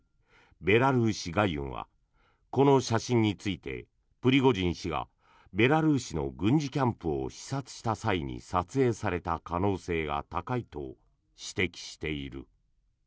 ベラルーシ・ガユンはこの写真についてプリゴジン氏がベラルーシの軍事キャンプを視察した際に撮影された可能性が高いと指摘している。